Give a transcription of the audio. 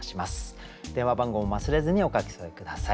電話番号も忘れずにお書き添え下さい。